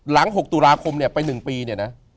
หลัง๖ตุลาคมเนี่ยไป๑ปีเนี่ยนะ